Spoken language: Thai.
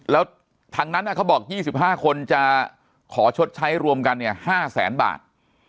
แล้วทางนั้นเขาบอก๒๕คนจะขอชดใช้รวมกัน๕แสนบาท